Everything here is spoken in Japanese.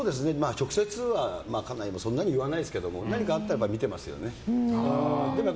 直接も家内はそんなに言わないですけど何かあったら見てますよね。